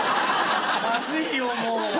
まずいよもう。